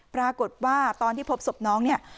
ปรากฏว่าตอนที่พบศพน้องเนี่ย